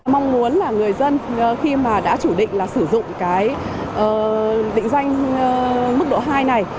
mong muốn là người dân khi mà đã chủ định là sử dụng cái định danh mức độ hai này